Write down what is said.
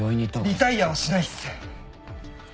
リタイアはしないっす。